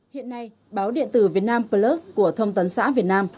hiện nay báo điện tử việt nam plus của thông tấn xã việt nam